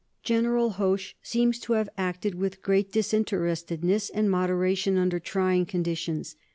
General Hoche seems to have acted with great disinterestedness and moderation under trying conditions.